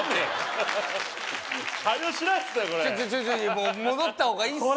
もう戻った方がいいっすよ